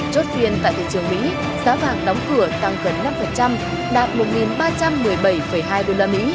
chốt phiên tại thị trường mỹ giá vàng đóng cửa tăng gần năm đạt một ba trăm một mươi bảy hai usd